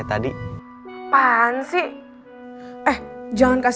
eh acil sebentar